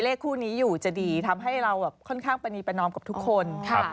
คู่นี้อยู่จะดีทำให้เราแบบค่อนข้างประนีประนอมกับทุกคน